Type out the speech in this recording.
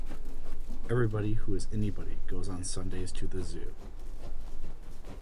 Everybody who is anybody goes on Sundays to the Zoo.